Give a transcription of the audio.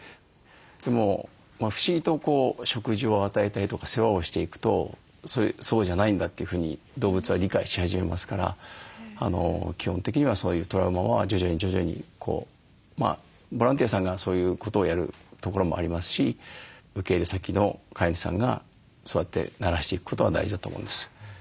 でも不思議と食事を与えたりとか世話をしていくとそうじゃないんだというふうに動物は理解し始めますから基本的にはそういうトラウマは徐々に徐々にボランティアさんがそういうことをやるところもありますし受け入れ先の飼い主さんがそうやってならしていくことが大事だと思うんです。